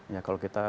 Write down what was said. ya kalau kita